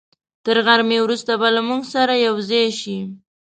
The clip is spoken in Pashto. تر غرمې وروسته به له موږ سره یوځای شي.